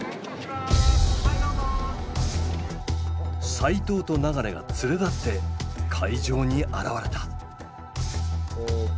齋藤と流が連れ立って会場に現れた。